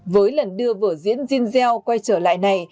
với lần đưa vở diễn giselle quay trở lại này